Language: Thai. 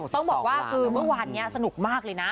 ต้องบอกว่าคือเมื่อวานนี้สนุกมากเลยนะ